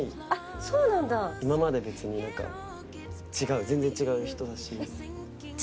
今までと別になんか違う全然違う人だし。